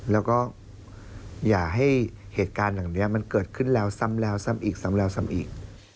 แล้วก็อย่าให้เหตุการณ์แห่งนี้มันเกิดขึ้นแล้วซ้ำอีกอีก